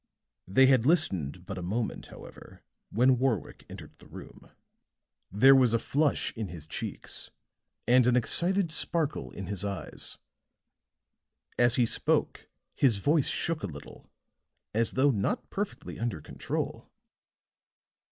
They had listened but a moment, however, when Warwick entered the room. There was a flush in his cheeks and an excited sparkle in his eyes; as he spoke his voice shook a little as though not perfectly under control.